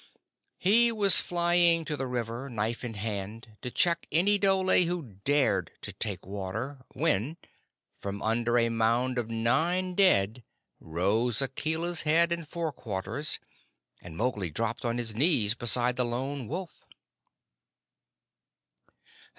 He was flying to the river, knife in hand, to check any dhole who dared to take water, when, from under a mound of nine dead, rose Akela's red head and fore quarters, and Mowgli dropped on his knees beside the Lone Wolf.